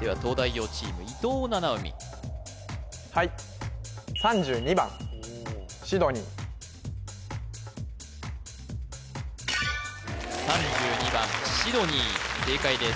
東大王チーム伊藤七海はい３２番シドニー正解です